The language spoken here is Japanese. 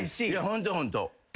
ホントホント。